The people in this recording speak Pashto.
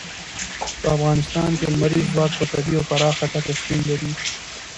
په افغانستان کې لمریز ځواک په طبیعي او پراخه کچه شتون لري.